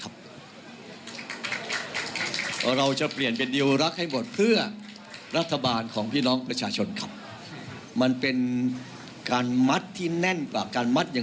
อ้าวเดี๋ยวดูบรรยากาศตรงนี้หน่อย